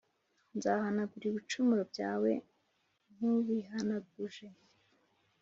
Nzahanagura ibicumuro byawe nk ubihanaguje